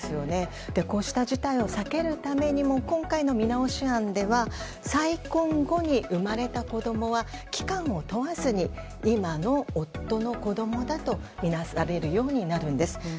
こうした事態を避けるためにも今回の見直し案では再婚後に生まれた子供は期間を問わずに今の夫の子供だとみなされるようになるんです。